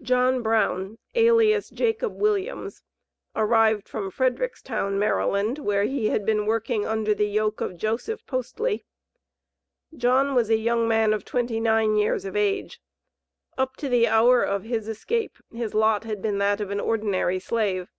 JOHN BROWN, alias JACOB WILLIAMS, arrived from Fredericktown, Md., where he had been working under the yoke of Joseph Postly. John was a young man of twenty nine years of age. Up to the hour of his escape, his lot had been that of an ordinary slave.